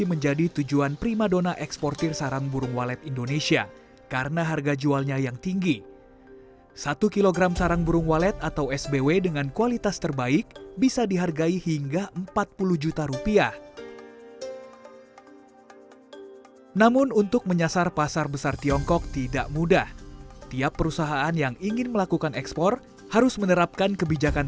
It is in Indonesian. enggak tahu delapan atau berapa silahkan aja